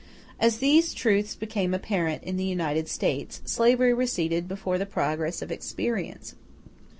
As these truths became apparent in the United States, slavery receded before the progress of experience.